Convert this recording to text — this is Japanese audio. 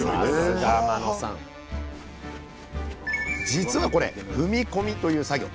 実はこれ「踏み込み」という作業。